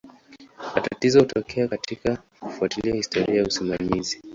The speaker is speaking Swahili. Matatizo hutokea katika kufuatilia historia ya usimamizi.